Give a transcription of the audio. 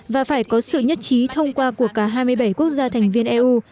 và phải có sự nhất trí thông qua của cả hai mươi bảy quốc gia thành viên eu